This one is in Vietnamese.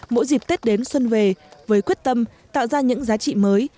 mỗi dịp tết đến xuân về với quyết tâm tạo ra những giá trị mới